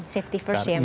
safety first ya maksudnya